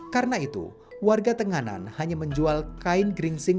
karena itu warga tenganan hanya menjual kain gringsing